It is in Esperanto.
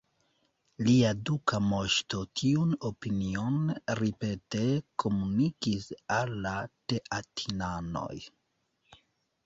Lia duka moŝto tiun opinion ripete komunikis al la teatinanoj.